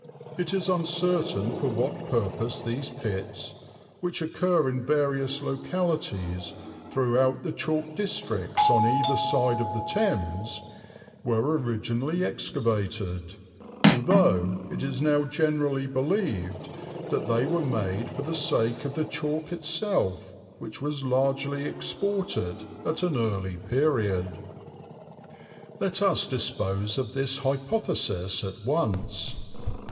It is uncertain for what purpose these pits (which occur in various localities throughout the chalk districts on either side of the Thames) were originally excavated, although it is now generally believed that they were made for the sake of the chalk itself which was largely exported at an early period." Let us dispose of this hypothesis at once.